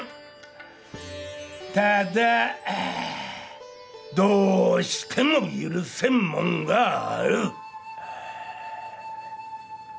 ただどうしても許せんもんがある。